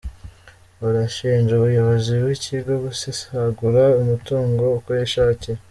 Barashinja umuyobozi w’Ikigo gusesagura umutungo uko yishakiye.